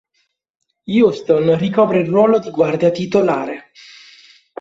Houston ricopre il ruolo di guardia titolare.